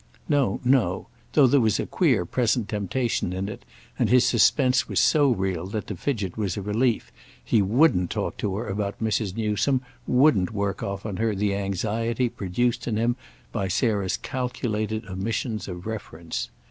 No, no; though there was a queer present temptation in it, and his suspense was so real that to fidget was a relief, he wouldn't talk to her about Mrs. Newsome, wouldn't work off on her the anxiety produced in him by Sarah's calculated omissions of reference.